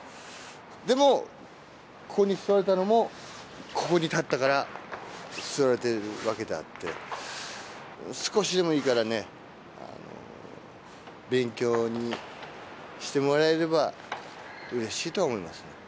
でも、ここに座れたのも、ここに立ったから座れているわけであって、少しでもいいからね、勉強にしてもらえればうれしいとは思いますね。